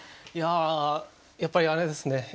いややっぱりあれですね